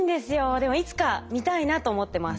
でもいつか見たいなと思ってます。